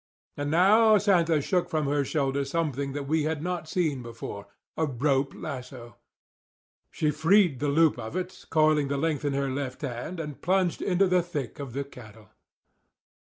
And now Santa shook from her shoulder something that we had not seen before—a rope lasso. She freed the loop of it, coiling the length in her left hand, and plunged into the thick of the cattle.